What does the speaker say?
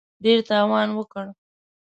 ډېر تاوان وکړ.